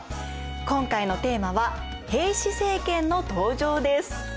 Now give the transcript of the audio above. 今回のテーマは「平氏政権の登場」です。